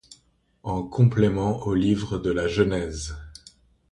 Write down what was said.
En complément au livre de la Genèse.